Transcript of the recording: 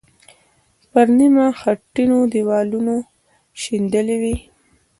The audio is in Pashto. پر نیمه خټینو دیوالونو شیندلې وې.